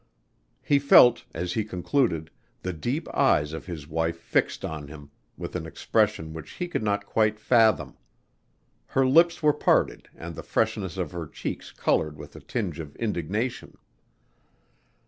He felt, as he concluded, the deep eyes of his wife fixed on him with an expression which he could not quite fathom. Her lips were parted and the freshness of her cheeks colored with a tinge of indignation.